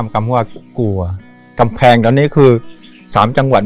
มันกลับมาก่อนที่จะรู้ว่ามันกลับมาก่อนที่จะรู้ว่า